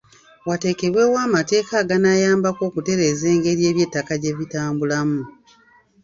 Wateekebwewo amateeka aganaayambako okutereeza engeri eby'ettaka gye bitambulamu.